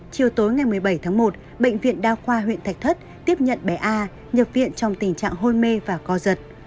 chiều tối ngày một mươi bảy tháng một bệnh viện đa khoa huyện thạch thất tiếp nhận bé a nhập viện trong tình trạng hôn mê và co giật